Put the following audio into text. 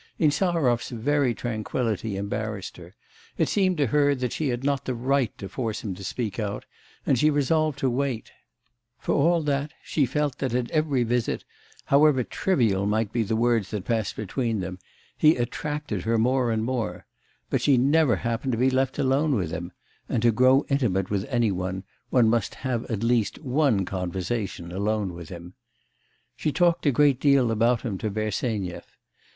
Insarov's very tranquillity embarrassed her; it seemed to her that she had not the right to force him to speak out; and she resolved to wait; for all that, she felt that at every visit however trivial might be the words that passed between them, he attracted her more and more; but she never happened to be left alone with him and to grow intimate with any one, one must have at least one conversation alone with him. She talked a great deal about him to Bersenyev.